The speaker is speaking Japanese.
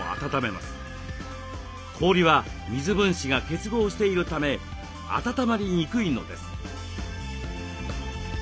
氷は水分子が結合しているため温まりにくいのです。